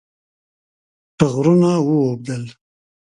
ټغرونه واوبدل